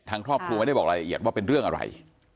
ทางครอบครัวไม่ได้บอกรายละเอียดว่าเป็นเรื่องอะไร